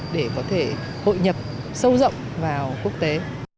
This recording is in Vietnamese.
để có thể hội nhập sâu rộng vào quốc tế